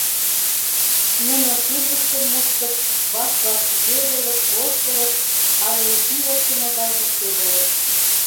Нуно шӱргыштым мушкыт, ваш-ваш шӱкедылыт, воштылыт але пий оптымо гай вурседалыт.